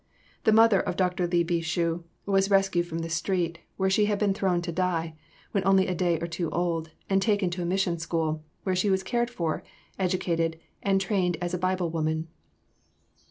The mother of Dr. Li Bi Cu was rescued from the street, where she had been thrown to die, when only a day or two old, and taken to a mission school, where she was cared for, educated, and trained as a Bible woman.